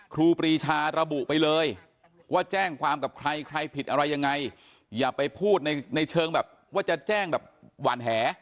ครูปรีชาระบุไปเลยว่าแจ้งความกับใครใครผิดอะไรยังไงอย่าไปพูดในเชิงแบบว่าจะแจ้งแบบหวานแห